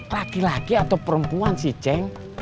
laki laki atau perempuan si ceng